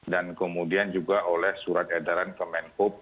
dan kemudian juga oleh surat edaran kemenkub